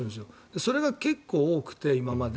それが結構多くて、今まで。